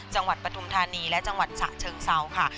จังหวัดปทุมธานีและจังหวัดสะเชิงเซาค่ะ